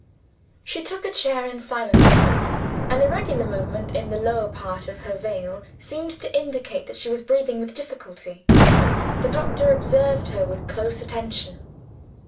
She took a chair in silence. An irregular movement in the lower part of her veil seemed to indicate that she was breathing with difficulty. The doctor observed her with close attention.